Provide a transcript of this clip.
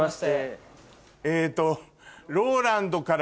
えっと。